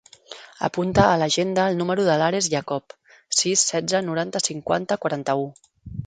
Apunta a l'agenda el número de l'Ares Iacob: sis, setze, noranta, cinquanta, quaranta-u.